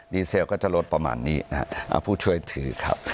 เซลก็จะลดประมาณนี้นะฮะผู้ช่วยถือครับ